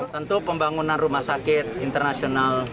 tentu pembangunan rumah sakit internasional